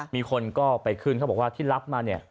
มีคนก็ไปขึ้นเขาบอกว่าที่รับมาเนี่ย